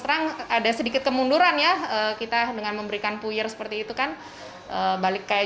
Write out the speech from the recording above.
terang ada sedikit kemunduran ya kita dengan memberikan puyer seperti itu kan balik kayak